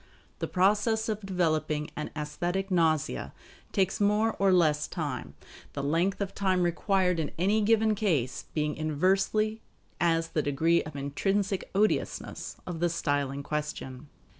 The process of developing an aesthetic nausea takes more or less time; the length of time required in any given case being inversely as the degree of intrinsic odiousness of the style in question.